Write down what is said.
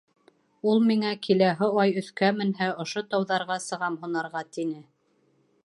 Ул миңә, киләһе Ай өҫкә менһә, ошо тауҙарға сығам һунарға, тине.